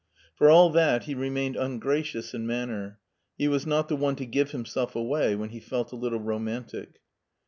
For all that he remained un gracious in manner ; he was not the one to give himself away when he felt a little romantic.